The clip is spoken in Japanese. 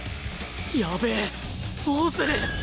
やべえどうする！？